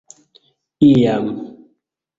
iam